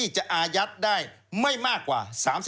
จะอายัดได้ไม่มากกว่า๓๐